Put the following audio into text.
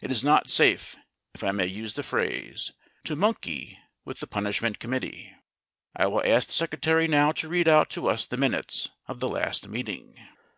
It is not safe, if I may use the phrase, to monkey with the Punishment Committee. I will ask the Secretary now to read out to us the minutes of the last meeting."